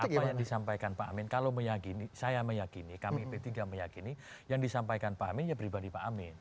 apa yang disampaikan pak amin kalau meyakini saya meyakini kami p tiga meyakini yang disampaikan pak amin ya pribadi pak amin